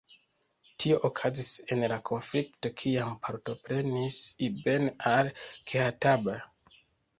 Tio okazis en la konflikto kiam partoprenis Ibn al-Khattab.